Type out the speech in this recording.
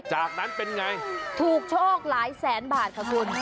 จากนั้นเป็นไงถูกโชคหลายแสนบาทค่ะคุณ